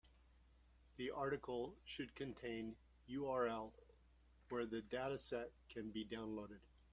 The article should contain URL where the dataset can be downloaded.